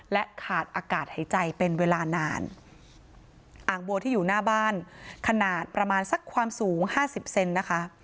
และขาดอากาศหายใจเป็นเวลานานอ่างบัวที่อยู่หน้าบ้านขนาดประมาณสักความสูงห้าสิบเซนนะคะ